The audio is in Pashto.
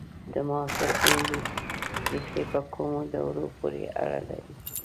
د معاصر هنر ریښې په کومو دورو پورې اړه لري؟